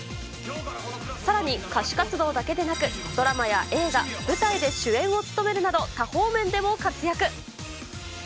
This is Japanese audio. さらに、歌手活動だけでなく、ドラマや映画、舞台で主演を務めるなど、多方面でも活躍。